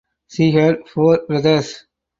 She had four brothers.